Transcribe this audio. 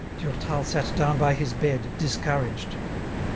Durtal sat down by his bed, discouraged.